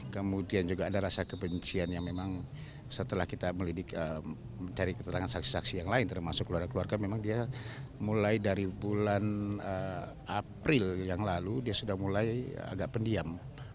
kemudian juga ada rasa kebencian yang memang setelah kita mencari keterangan saksi saksi yang lain termasuk keluarga keluarga memang dia mulai dari bulan april yang lalu dia sudah mulai agak pendiam